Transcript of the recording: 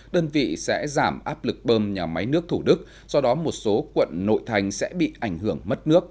đơn vị sẽ giảm áp lực bơm nhà máy nước thủ đức do đó một số quận nội thành sẽ bị ảnh hưởng mất nước